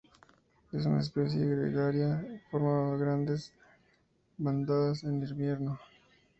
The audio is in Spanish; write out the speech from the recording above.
Es una especie gregaria; forma grandes bandadas en invierno.